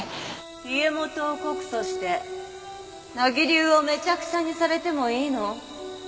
家元を告訴して名木流をめちゃくちゃにされてもいいの？